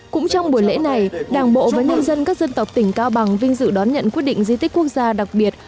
cũng trong buổi lễ này đảng bộ và nhân dân các dân tộc tỉnh cao bằng vinh dự đón nhận quyết định di tích quốc gia đặc biệt